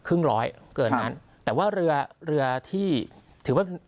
ครึ่งร้อยเกินนั้นแต่ว่าเรือที่ถือว่า